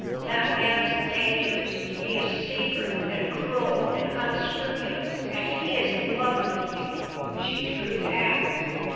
That man is dangerous; he is secret, and cruel, and unscrupulous and he is in love with you!" She drew back.